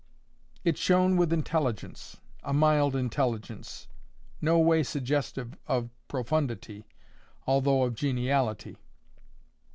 It shone with intelligence—a mild intelligence—no way suggestive of profundity, although of geniality.